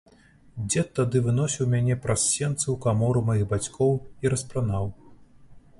Дзед тады выносіў мяне праз сенцы ў камору маіх бацькоў і распранаў.